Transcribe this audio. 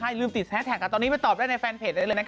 ใช่ลืมติดแฮสแท็กตอนนี้ไปตอบได้ในแฟนเพจได้เลยนะคะ